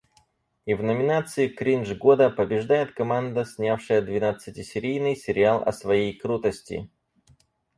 И в номинации "Кринж года" побеждает команда, снявшая двенадцатисерийный сериал о своей крутости.